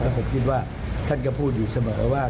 ผมคิดว่าท่านก็พูดอยู่เสมอว่า